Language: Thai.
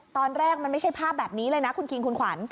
ตอนแรกมันไม่ใช่ภาพแบบนี้เลยนะคุณคิงคุณขวัญ